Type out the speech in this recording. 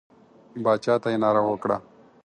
باچا ته یې ناره وکړه.